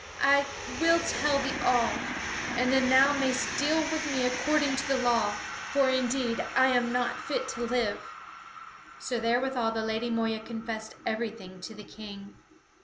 I will tell thee all, and then thou mayst deal with me according to the law, for indeed I am not fit to live." So therewithal the Lady Moeya confessed everything to the King.